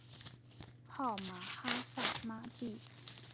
号玛哈萨嘛谛。